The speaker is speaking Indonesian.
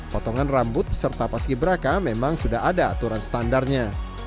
potongan rambut peserta paski beraka memang sudah ada aturan standarnya